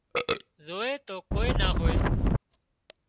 زووي تو ڪوئي نا هوئي